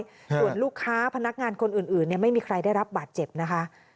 ส่วนลูกค้าพนักงานคนอื่นเนี่ยไม่มีใครได้รับบาดเจ็บนะคะ